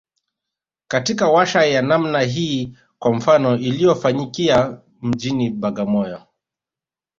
katika warsha ya namna hii kwa mfano iliyofanyikia mjini Bagamoyo